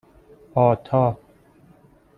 آتا